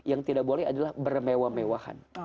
yang tidak boleh adalah bermewah mewahan